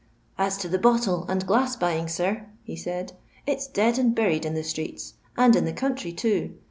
^ As to the bottle and dying, sir," he said, " it 's dead and buried streets, and in the country too.